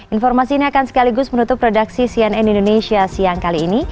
informasi ini akan sekaligus menutup produksi cnn indonesia siang kali ini